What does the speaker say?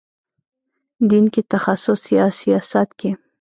دین کې تخصص یا سیاست کې.